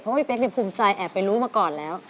เพราะว่าพี่เป๊กภูมิใจแอบไปรู้มาก่อนแล้ว